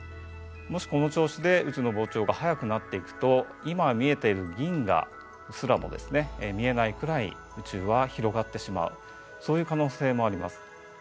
もしこの調子で宇宙の膨張が速くなっていくと今見えている銀河すらも見えないくらい宇宙は広がってしまうそういう可能性もあります。